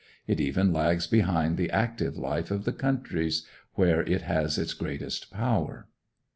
It even lags behind the active life of the countries where it has its greatest power.